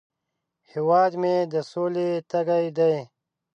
هیواد مې د سولې تږی دی